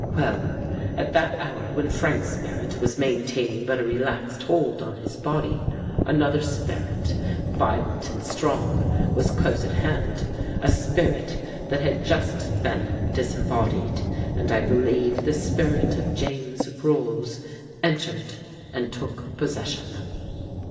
Well, at that hour when Frank's spirit was maintaining but a relaxed hold on his body, another spirit, violent and strong, was close at hand — a spirit that had just been disembodied. ... And I believe the spirit of James Rolls entered and took possession."